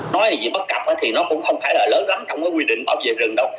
nói gì bất cập thì nó cũng không phải là lớn gắn trong cái quy định bảo vệ rừng đâu